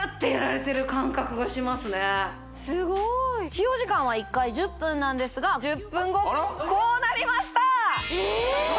使用時間は１回１０分なんですが１０分後こうなりましたえ